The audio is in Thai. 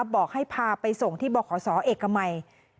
บอกให้พาไปส่งที่บขเอกมัย